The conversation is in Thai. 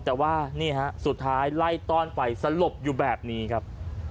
แต่ว่านี่ฮะสุดท้ายไล่ต้อนไปสลบอยู่แบบนี้ครับ